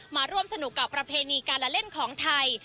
มาร่วมสนุกกับประเพณีการละเล่นของไทย